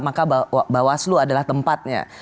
maka bawaslu adalah tempatnya